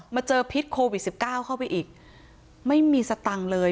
เจอพิษโควิด๑๙เข้าไปอีกไม่มีสตังค์เลย